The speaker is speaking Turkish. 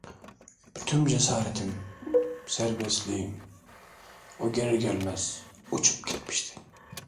Bütün cesaretim, serbestliğim, o gelir gelmez uçup gitmişti.